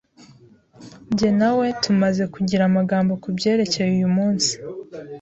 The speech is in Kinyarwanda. Jye na we tumaze kugira amagambo kubyerekeye uyu munsi.